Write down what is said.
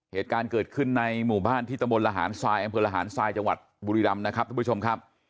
เหตุการณ์เกิดขึ้นในหมู่บ้านที่ตะมนตรหารทรายอำเภอระหารทรายจังหวัดบุรีรำนะครับทุกผู้ชมครับ